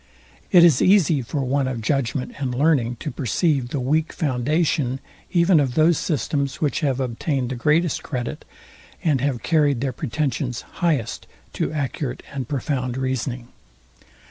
It is easy for one of judgment and learning, to perceive the weak foundation even of those systems, which have obtained the greatest credit, and have carried their pretensions highest to accurate and profound reasoning.